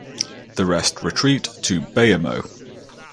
The rest retreat to Bayamo.